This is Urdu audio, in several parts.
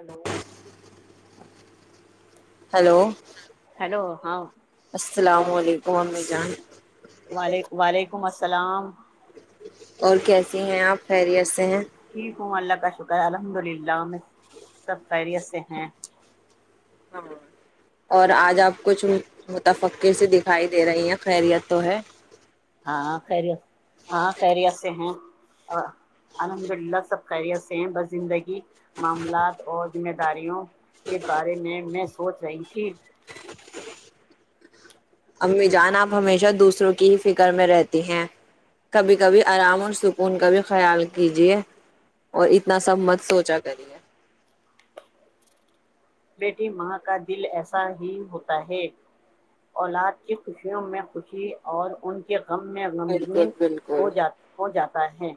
ہلو ہلو ہیلو ہاں السلام علیکم ا جان وعلیک وعلیکم السلام اور کیسیے ہیں آپ خیریس ٹھیک ہوں اللہ کا شکر الحمد للہ ہم میں سب خیریت سے ہیں ہاں اور آج آپ کچھ متفقر س دکھائی دے رہی ہیں خیریت تو ہے ہاں خری ہاں خرییا سے ہیں ہاں الحمد للہ سبکاری ہیں بس زندگی معاملات اور ذمہ داریوں کے بارے میں میں ہوچ رہی تھی امی جانا ہمیشہ دوسروں کی فکر میں رہتی ہیں کبھی کبھی آرام اور سکون کبھی خیال کیجیے اور اتنا سب مت سوچا کریے بیٹی ماں کا دل ایسا ہی ہوتا ہے اولاد کی خوشیوں میں خوشی اور ان کے غم میں غمگین بالکل ہو بالکل جات ہو جات ہوتا ہے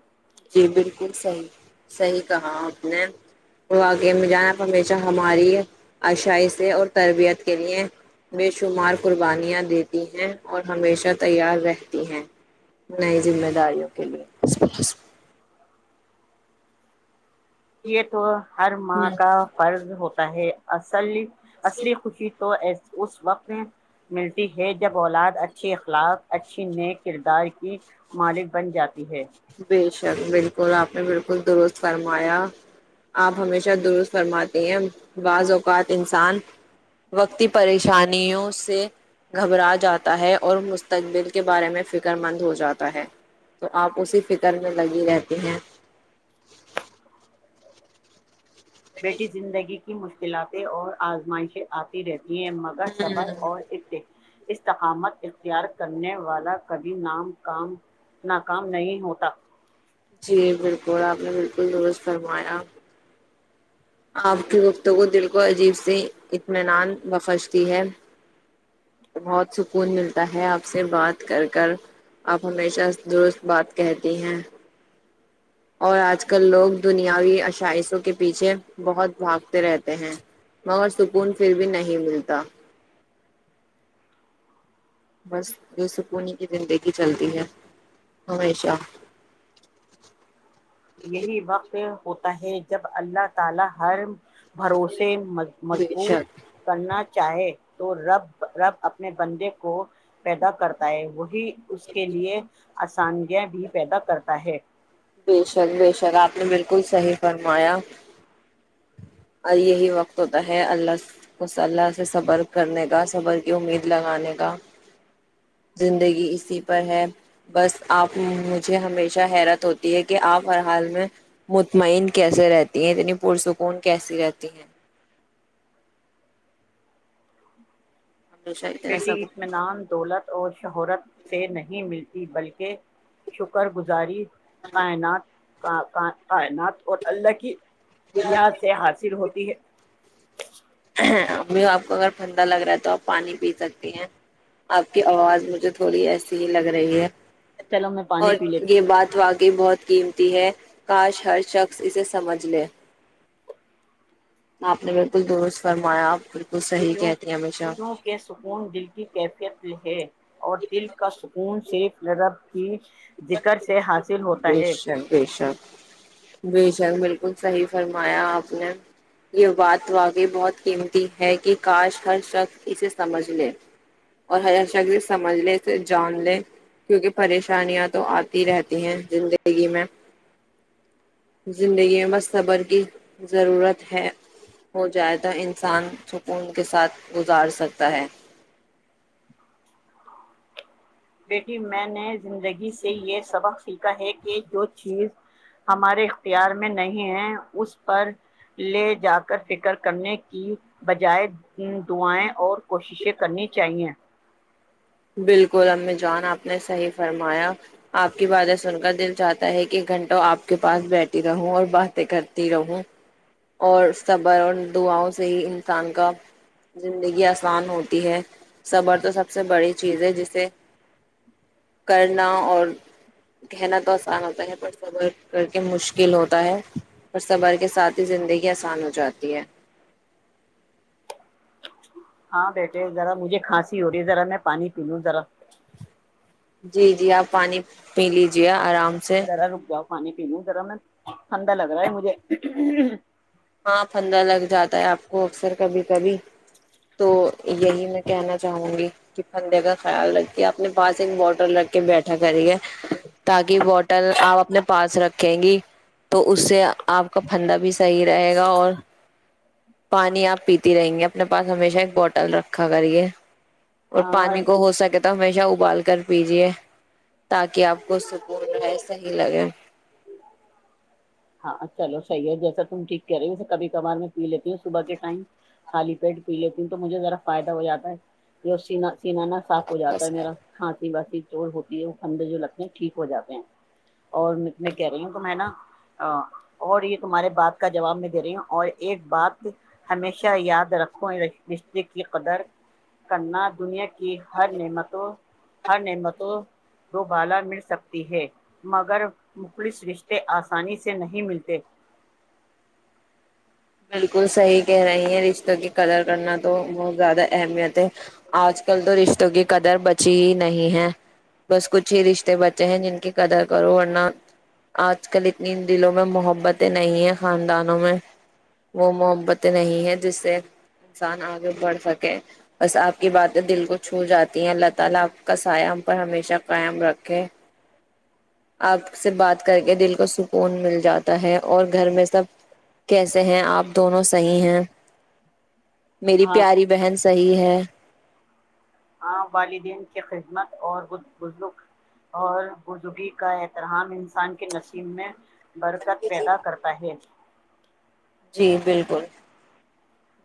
جی بالکل صحیح صحیح کہا آپ نے وہ آگ جان ہمیشہ ہماری اشائ سے اور تربیت کے لیے بے شمار قربانیاں دیتی ہیں اور ہمیشہ تیار رہتی ہیں نئی ذمہ داریوں کے لیے یہ تو ہر ماں ہوں کا فرض ہوتا ہے اسلی اصلی خوشی تو اس وقت ملتی ہے جب اولاد اچھے اخلاق اچھی نئے کردار کی مالک بن جاتی ہے بے شک بالکل آپ نے بالکل درست فرمایا آپ ہمیشہ درست فرماتی ہیں بعض اوقات انسان وقتی پریشانیوں سے گھبرا جاتا ہے اور مستقبل کے بارے میں فکر مند ہو جاتا ہے اسی فکر میں لگی رہتی ہیں بیٹی زندگی کی مشکلاتیں اور آزمائشیں آتی رہتی یہ مگر صبر اور ات استقامت اختیار کرنے والا کبھی نام کام ناکام نہیں ہوتا جی بالکل آپ نے بالکل درست فرمایا آپ کے وقتوں کو دل کو عجیب سے اطمینان بخشتی ہے بہت سکون ملتا ہے آپ سے بات کر کر آپ ہمیشہ درست بات کہتی ہیں اور آج کل لوگ دنیاوی اشائشوں کے پیچھے بہت بھاگتے رہتے ہیں مگر سکون پھر بھی نہیں ملتا بس یہ سکوون کی زندگی چلتی ہے ہمیشہ یہی وقت جب اللہ تعالی ہر بھروسے بے مضبوط شک کرنا چاہے تو رب رب اپنے بندے کو پیدا کرتا ہے وہی اس کے لیے آسانیاں بھی پیدا کرتا ہے بے شک بے شک آپ نے بالکل صحی فرمایا اور یہی وقت ہوتا ہے اللہ کو صلہ سے صبر کرنے کا صبر کی امید لگانے کا زندگی اسی پر ہے بس آپ مجھے ہمیشہ حیرت ہوتی کہ آپ ہر حال میں مطمئن کیسے رہتی ہیں اتنی پرسکون کیسی رہتی ہیں ہمیشہ اتنا بیٹی سب اطمینان دولت اور شہرت سے نہیں ملتی بلکہ شکر گزاری آ ن کا کا کائنات اور اللہ کی اں سے حاصل ہوتی ہے امی آپ کو اگر ٹھنندا لگ رہا ہے تو آپ پانی پی سکتی ہیں آپ کی آواز مجھے تھوڑی ایسی ہی لگ رہی ہے چلو میں اور پانی پی لیتی یہ بات واقی بہت قیمتی ہے کاش ہر شخص اسے سمجھ لے آپ نے بالکل درست فرمایا آپ بالکل صحیح کہتی ہیں ہمیشہ کیونکہ سکون دل کی کیفیت ہے اور دل کا سکون شف لگا کہ ذکر سے ہاتص بشب بیشب بے شک بالکل صحیح فرمایا آپ نے یہبات تو آ گئی بہت قیمت ہے کہ کاش ہر شخص اسے سمجھ لے اور ہرر شخصے سمجھ لے اسے جان لے کیونکہ پریشانیاں تو آتی رہتی ہیں زندگی میں زندگی مصبر کی ضرورت ہے ہو جائے تو انسان سکون کے ساتھ گزار سکتا ہے بیٹی میں نے زندگی سے یہ سبق سیکھا ہے کہ جو چیز ہمارے اختیار میں نہیں ہے اس پر لے جا کر فکر کرنے کی بجائے دعائیں اور کوششیں کرنی چاہیے بالکل امی جان آپ نے صحیح فرمایا آپ کی باتیں سن کر دل چاہتا ہے کہ ایک گھنٹوں آپ کے پاس بیٹتی رہوں اور باتیں کرتی رہوں اور صبر اور دعاؤں سے ہی انسان کا زندگی آسان ہوتی ہے صبر تو سب سے بڑی چیزیں جسے کرنا اور کہنا تو آسان ہوتا ہے پر صبر کر کے مشکل ہوتا ہے اور صبر کے ساتھ ہی زندگی آسان ہو جاتی ہے ہاں بیٹے ذرا مجھے کھانسی ہو رہی ہے ذرا میں پانی پی لوں ذرا جی جی آپ پانی پی لیجیے آرام سے جر روپیہ پانی پینے ذرا ٹھنڈا لگ رہا ہے مجھے ہاں پھندا لگ جاتا ہے آپ کو اکثر کبھی کبھی تو یہی میں کہنا چاہوں گی کہ پھندے کا خیال رکھیے اپنے پاس ایک بوٹل رکھ کے بیٹھا کریے تاکہ بوٹل آپ اپنے پاس رکھیں گی تو اس سے آپ کا پھندا بھی صحیح رہے گا اور پانی آپ پیتی رہیں گے اپنے پاس ہمیشہ ایک بوٹل رکھا کرے اور مجھے پانی کو ہو سکے تو ہمیشہ ابال کر پیجیے تاکہ آپ کو سکون رہے صحیح لگے ہاں چلو صحیح ہے جیسا تم ٹھیک کہ رہے ہوے کبھی کبھار میں پی لیتی ہوں صبح کے ٹائم خالی پیٹ پی لیتی ہوں تو مجھے ذرا فائدہ ہو جاتا ہے سا پینا نا صاف ہو آپ کا جاتا ہے ساتھ میرا کھانسی باسی چور ہوتی ہے وہ کھنڈ جو لگتے ہیں ٹھیک ہو جاتے ہیں اور میںت میں کہہ رہی ہوں تو میں نا اور یہ تمہارے بات کا جواب میں دے رہی ہوں اور ایک بات ہمیشہ یاد رکھو رشتے کی قدر کرنا دنیا کی ہر نعمتوں ہر نعمتوں دو بالا مل سکتی ہے مگر مخلص رشتے آسانی سے نہیں ملتے بالکل صحیح کہہ رہی ہیں رشتوں کی قدر کرنا تو بہت زیادہ اہمیت ہے آج کل تو رشتوں کی قدر بچی ہی نہیں ہے بس کچھ ہی رشتے بچے ہیں جن کی قدر کرو ورنہ آج کل اتنی دلوں میں محبتیں نہیں ہے خاندانوں میں وہ محبت نہیں ہے دوسرے انسان اگے بڑھ سکے بس اپ کی باتیں دل کو چھو جاتی ہیں اللہ تعالی اپ کا سایہ ہم پر ہمیشہ قائم رکھے اپ سے بات کر کے دل کو سکون مل جاتا ہے اور گھر میں سب کیسے ہیں آپ دونوں صیح ہیں میری ہاں پیاری بہن صحیح ہے ہاں والدین کی خدمت اور بزرگ اور بزگی کا احترام انسان کے نشیب میں برکت پیدا کرتا ہے جی بالکل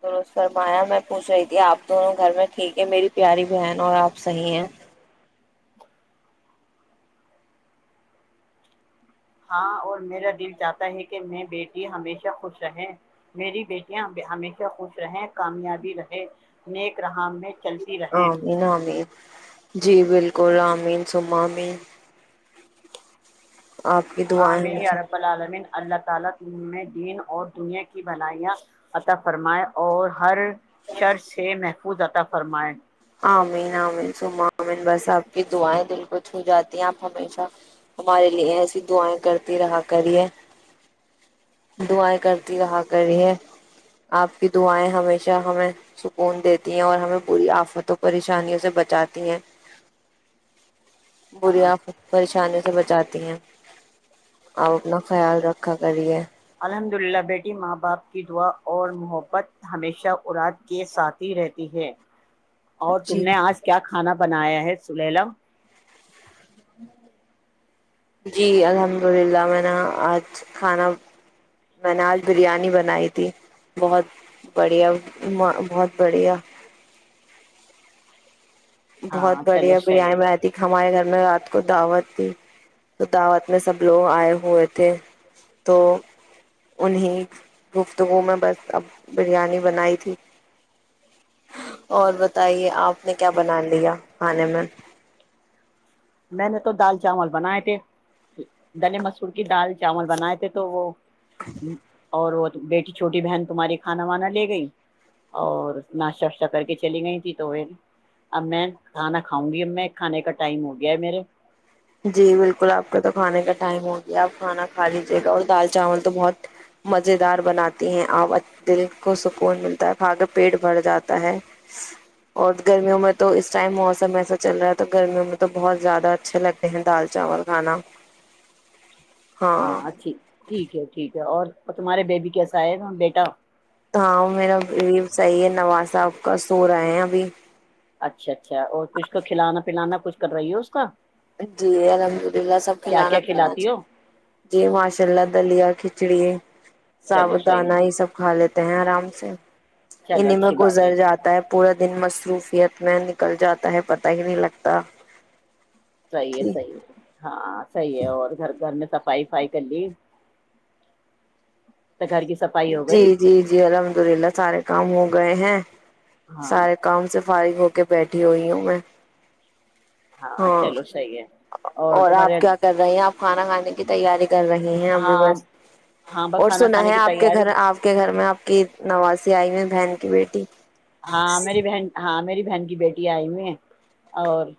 دست فرمایا میں پوچھ رہی تھی آپ دونوں گھر میں ٹھیک ہے میری پیاری بہن اور آپ صحی ہیں ہاں اور میرا دل چاہتا ہے کہ میں بیٹییا ہمیشہ خوش رہیں میری بیٹیاں ہمیشہ خوش رہیں کامیابی رہے نیک رہا عمین عمین جی بالک کولاامین سمامین مجھے [unintelligible] دین اور دنیا کی بھلائیاں عطا فرمائے اور ہر شر سے محفوظ عطا فرمائے عمین آمین سم عمین بس آپ کی دعائیں دل کو چھو جاتی ہیں آپ ہمیشہ ہمارے لیے ایسی دعائیں کرتی رہا کریے دعائیں کرتی رہا کریے آپ کی دعائیں ہمیشہ ہمیں سکون دیتی ہیں اور ہمیں بری آفت تو پریشانیوں سے بچاتی ہیں بری آپ پریشانی سے بچاتی ہیں آپ اپنا خیال رکھا کریے الحمد للہ بیٹی ماں باپ کی دعا اور محبت ہمیشہ اراد کے ساتھی رہتی ہے اور تم جی نے آج کیا کھانا بنایا ہے سلیلا ہ جی الحمد للہ میں نےا آج کھانا میں نے آج بریانی بنائی تھی بہت بڑھیا بہت بڑھیا بہت ہاں چلو بڑھیا صحیح بریانی ہے میں رہتی ہمارے گھر میں کو دعوت دی تو دعوت میں سب لوگ آئے ہوئے تھے تو انہیں گفتگو میں بس اب بریانی بنائی تھی اور بتائیے آپ نے کیا بنا لیا کھانے میں میں نے تو دال چاول بنائے تھے دنے مسور کی دال چاول بنائے تھے تو وہ ہوں اور وہ بیٹی چھوٹی بہن تمہاری کھانا وانا لے گئی اور ناشتہ واشتہ کر کے چلی گئی تیں تو اب میں کھانا کھاؤں گی اب میں کھانے کا ٹائم ہوگا گیا میرے جی بالکل آپ کا تو کھانے کا ٹائم ہو گیا آپ کھانا کھا لیجیے گا اور دال چاول تو بہت مزے دار بناتی ہیں آپ دل کو سکون ملتا ہے کھا کے پیٹ بھر جاتا ہے اور گرمیوں میں تو اس ٹائم موسم ایسا چل رہا ہے تو گرمیوں میں تو بہت زیادہ اچھا لگ دال چاول کھانا ہاں اچھی ٹھیک ہے ٹھیک ہے اور اور تمہارے بیب کیسا ہے بیٹا ہاں میرا صحیح ہے نواز صاحب کا سو رہا ہے ابھی اچھا اچھا اور کچھ کو کھلانا پلانا کچھ کر رہی ہے اس کا جی الحمد للہ سب کیا کھلانا کیا پھیلانا کھلاتی ہو جی ماشاء اللہ دلیا کھچ کچڑی چلو سابو صحیح ہے، دانہ یہ سب کھا لیتے ہیں آرام سے چلو انیں میں اچھی بات ہے گزر جاتا ہے پورا دن مصروف ت میں نکل جاتا ہے پت ہی نہیں لگتا صی ہے جی صیح ہے ہاں صحیح ہے اور گھر گھر میں صفائی وفائی کر لی تو گھر کی صفائی ہو جی گئی جی جی الحمد للہ سارے کام ہو گئے ہیں ہاں سارے کام سے فارغ ہو کے بیٹھی ہوئی ہوں میں [unintelligible] ہاں چلو صحیح ہے اور آپ کیا کر رہے ہیں آپ کھانا کھانے کی تیاری کر رہے ہیں ہمیں ہاں بس ہاں ب اور کھانا سنا کھانے ہے کی آپ کے تیاری گھر آپ کے گھر میں آپ کی [unintelligible] نواسی آئی میں بہن کی بیٹی [unintelligible] ہاں میری بہن ہاں میری بہن کی بیٹی آئی ہوئی اور [unintelligible]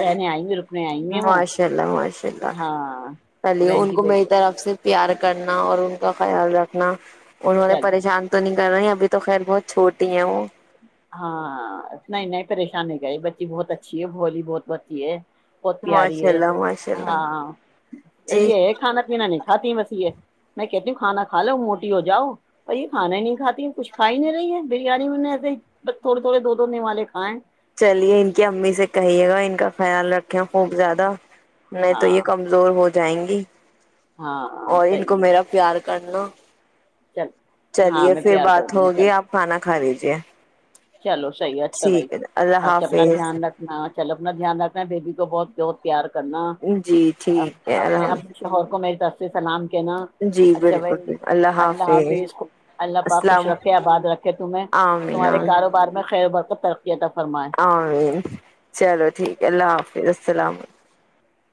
رہنے آئیں گے رکنے آئیں گے وہ ماشاء اللہ ماشاء اللہ ہاں چلیے بہن ان کی کو میری بیٹی طرف سے پیار کرنا اور ان [unintelligible] تو خیال رکھنا [unintelligible] ان وال نے چلو پریشان تو نہیں کر رہے [unintelligible] تو خیر بہت چھوٹی ہیں وہ [unintelligible] اچ ہے بچی بہت اچھی ہے بولی بہت بچی ہے [unintelligible] ب پیاری ماشاء ہے اللہ ماشاء اللہ ہاں جی یہ ہے کھانا پینا نہیں کھاتی بس یہ میں کہتی ہوں کھانا کاو موٹی ہو جاؤ ب یہ کھانا نہیں کات کچھ کھائی نہیں رہی ہے بریانی میں نے ایے ہی بس تھوڑے تھوڑے دو دو ن والے کھائے ہیں چلیے ان کی امی سے کہیے گا ان کا خیال رکھیں خوب زیادہ نہیں تو ہاں یہ کمزور ہو جائیں گے ہاں ایک [unintelligible] ہاں اور ان صحیح کو ہے میرا پیار کرنا چل ہاں چلیے میں پھر پیار بات کر دوں گی، ہوگی چل آپ کھانا کھا لیجے چلو صحیح اچھا بھائی [unintelligible] اللہ حافظ [unintelligible] چل اپنا دھیان رکھنا ہے بی کو بہت بہت پیار کر [unintelligible] کرنا جی ٹھیک ہے اپنے اللہ اپنے شہور کو میں دس [unintelligible] سلام [unintelligible] کہ نا جی اچھا بھائی بالکل بالکل اللہ حافظ اللہ پاک خوش السلام رکھے آباد رکھے تمہ تمہارے [unintelligible] کاروبار میں ک برت [unintelligible] ع چلو ٹھیک ہے اللہ حافظ سسلام عم [unintelligible]